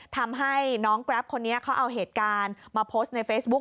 ทำให้น้องแกรปคนนี้เขาเอาเหตุการณ์มาโพสต์ในเฟซบุ๊ค